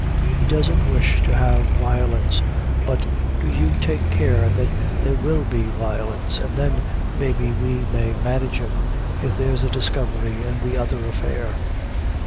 He doesn't wish to have violence; but do you take care that there will be violence, an' then maybe we may manage him if there's a discovery in the other affair."